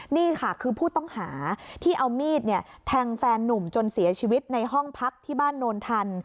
นี่ค่ะคือผู้ต้องหาที่เอามีดแทงแฟนนุ่มจนเสียชีวิตในห้องพักที่บ้านโนนทัน